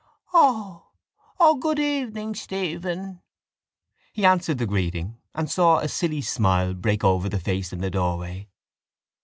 —O... O, good evening, Stephen. He answered the greeting and saw a silly smile break over the face in the doorway.